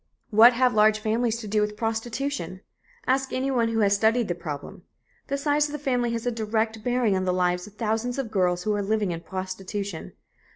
What have large families to do with prostitution? Ask anyone who has studied the problem. The size of the family has a direct bearing on the lives of thousands of girls who are living in prostitution.